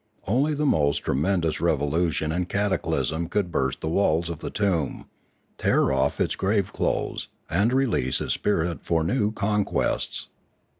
Only the most tremendous revolution and cataclysm could burst the walls of the tomb, tear off its grave clothes, and release its spirit for new con quests.